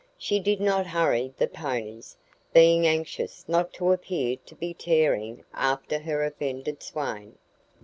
She did not hurry the ponies, being anxious not to appear to be tearing after her offended swain.